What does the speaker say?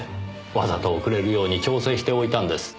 わざと遅れるように調整しておいたんです。